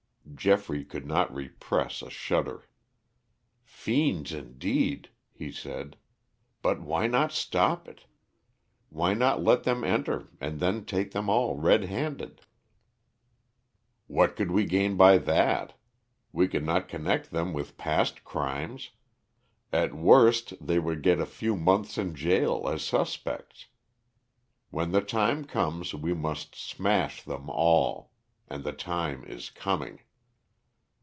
Geoffrey could not repress a shudder. "Fiends, indeed!" he said. "But why not stop it? Why not let them enter and then take them all red handed?" "What could we gain by that? We could not connect them with past crimes! At worst they would get a few months in gaol as suspects. When the time comes we must smash them all. And the time is coming."